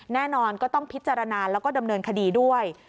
แน่นอนก็ต้องพิจารณาแล้วก็ดำเนินคดีด้วย